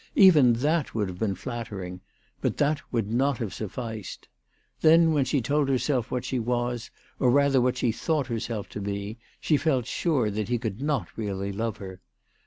Even that would have been flattering, but that would not have sufficed. Then when she told herself what she was, or rather what she thought herself to be, she felt sure that he could not really love her.